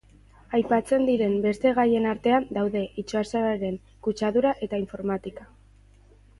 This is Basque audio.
Aipatzen diren beste gaien artean daude itsasoaren kutsadura eta informatika.